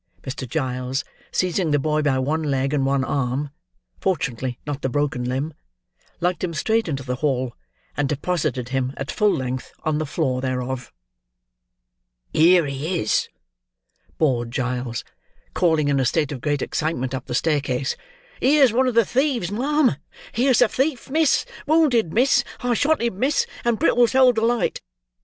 Mr. Giles, seizing the boy by one leg and one arm (fortunately not the broken limb) lugged him straight into the hall, and deposited him at full length on the floor thereof. "Here he is!" bawled Giles, calling in a state of great excitement, up the staircase; "here's one of the thieves, ma'am! Here's a thief, miss! Wounded, miss! I shot him, miss; and Brittles held the light."